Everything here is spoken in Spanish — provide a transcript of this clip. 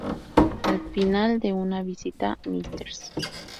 Al final de una visita, Mrs.